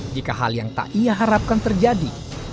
jika hal yang tak ia harapkan terjadi